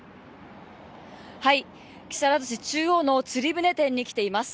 木更津市中央の釣り船店に来ています。